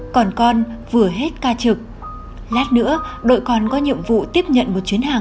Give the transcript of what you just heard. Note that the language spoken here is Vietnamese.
còn con vừa hết ca trực lát nữa đội còn có nhiệm vụ tiếp nhận một chuyến hàng